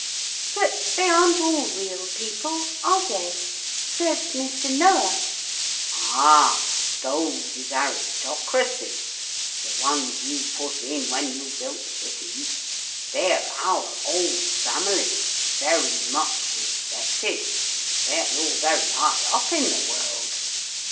'But they aren't all real people, are they? There's Mr. Noah?' 'Ah, those is aristocracy, the ones you put in when you built the cities. They're our old families. Very much respected. They're all very high up in the world.